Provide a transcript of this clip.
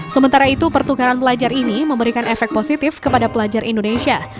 sementara itu pertukaran pelajar ini memberikan efek positif kepada pelajar indonesia